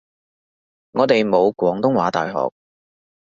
我哋冇廣東話大學